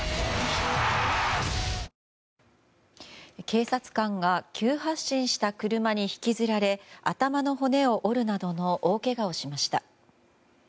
警察官が急発進した車に引きずられ頭の骨を折るなどの大けがをしました。